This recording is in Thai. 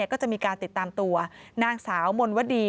ก็จะมีการติดตามตัวนางสาวมนวดี